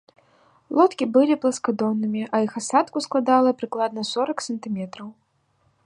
Лодкі былі пласкадоннымі, а іх асадку складала прыкладна сорак сантыметраў.